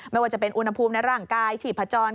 ไม่ว่าจะเป็นอุณหภูมิในร่างกายชีพจร